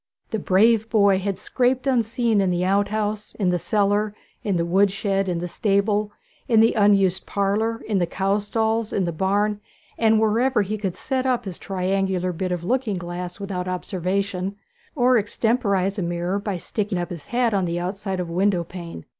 The brave boy had scraped unseen in the out house, in the cellar, in the wood shed, in the stable, in the unused parlour, in the cow stalls, in the barn, and wherever he could set up his triangular bit of looking glass without observation, or extemporize a mirror by sticking up his hat on the outside of a window pane.